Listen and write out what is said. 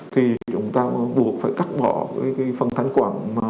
thì chúng ta buộc phải cắt bỏ cái phần thanh quản